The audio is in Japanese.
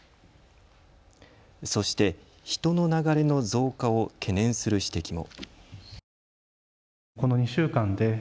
そして人の流れの増加を懸念する指摘も。